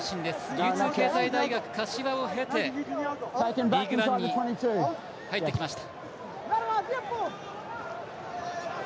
流通経済大学柏を経てリーグワンに入ってきました。